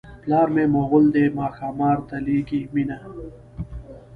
پلار مې مغل دی ما ښامار ته لېږي مینه.